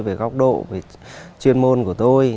về góc độ chuyên môn của tôi